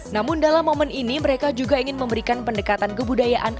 namun dalam momen ini mereka juga ingin memberikan pendekatan kebudayaan